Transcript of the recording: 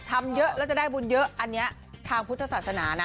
ทำเยอะแล้วจะได้บุญเยอะอันนี้ทางพุทธศาสนานะ